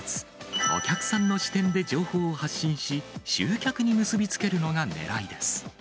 お客さんの視点で情報を発信し、集客に結び付けるのがねらいです。